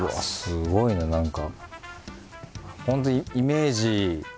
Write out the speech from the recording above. すごいな何か。